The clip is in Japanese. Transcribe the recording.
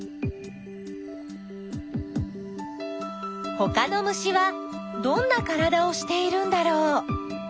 ほかの虫はどんなからだをしているんだろう？